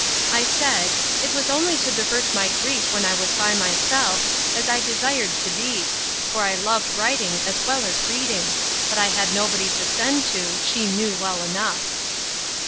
I said, it was only to divert my grief when I was by myself, as I desired to be; for I loved writing as well as reading; but I had nobody to send to, she knew well enough.